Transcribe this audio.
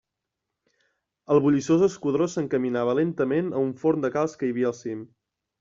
El bulliciós esquadró s'encaminava lentament a un forn de calç que hi havia al cim.